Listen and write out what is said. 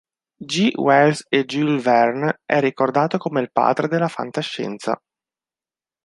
G. Wells e Jules Verne, è ricordato come il padre della fantascienza.